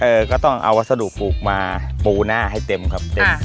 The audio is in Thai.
ก็ต้องเอาวัสดุปลูกมาปูหน้าให้เต็มครับเต็ม